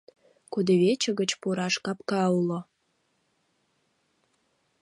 Кудывече гыч пураш капка уло.